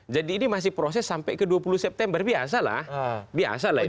jadi ini masih proses sampai ke dua puluh september biasalah biasalah itu